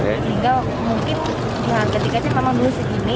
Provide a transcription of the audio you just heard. sehingga mungkin ya ketika ini memang dulu segini